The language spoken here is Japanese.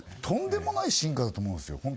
とんでもない進化だと思うんですよ